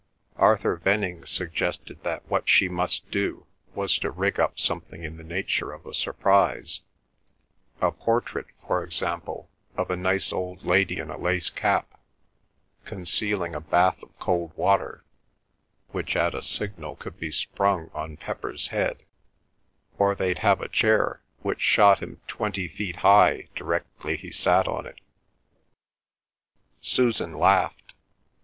Arthur Venning suggested that what she must do was to rig up something in the nature of a surprise—a portrait, for example, of a nice old lady in a lace cap, concealing a bath of cold water, which at a signal could be sprung on Pepper's head; or they'd have a chair which shot him twenty feet high directly he sat on it. Susan laughed.